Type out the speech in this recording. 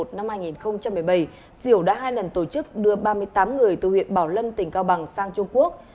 tháng một mươi một năm hai nghìn một mươi bảy xỉu đã hai lần tổ chức đưa ba mươi tám người từ huyện bảo lâm tỉnh cao bằng sang trung quốc